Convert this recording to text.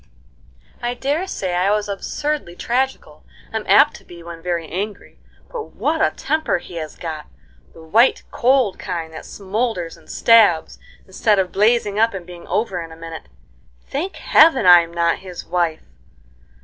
I dare say I was absurdly tragical, I'm apt to be when very angry, but what a temper he has got! The white, cold kind, that smoulders and stabs, instead of blazing up and being over in a minute. Thank Heaven, I'm not his wife!